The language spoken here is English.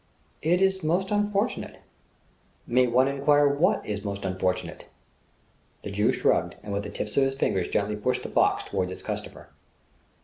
"It is most unfortunate..." "May one enquire what is most unfortunate?" The Jew shrugged and with the tips of his fingers gently pushed the box toward his customer.